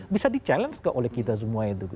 bisa di challenge oleh kita semua itu